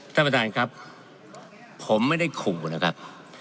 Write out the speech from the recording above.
ท่านประธานครับผมไม่ได้ขู่นะครับ